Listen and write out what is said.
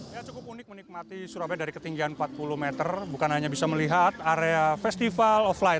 ya cukup unik menikmati surabaya dari ketinggian empat puluh meter bukan hanya bisa melihat area festival offline